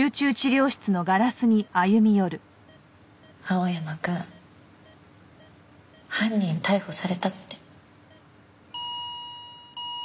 青山くん犯人逮捕されたって。